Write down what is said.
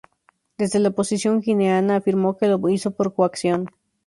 Desde la oposición guineana afirmó que lo hizo por coacción.